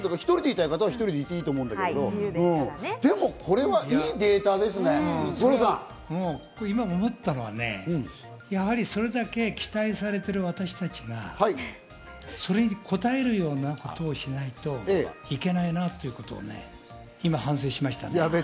１人でいたい方は１人でいていいと思うんだけど、でもこれはいい今、思ったのはやはりそれだけ期待されてる私たちがそれに応えるようなことをしないといけないなということを今反省しましたね。